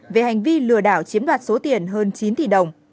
về hành vi lừa đảo chiếm đoạt số tiền hơn chín tỷ đồng